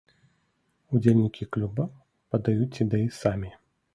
Удзельнікі клуба падаюць ідэі самі.